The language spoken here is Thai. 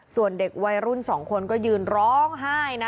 ส่วนเด็กวัยรุ่น๒คนก็ยืนร้องไห้นะ